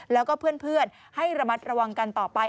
แล้วก็เพื่อนให้ระมัดระวังกันต่อไป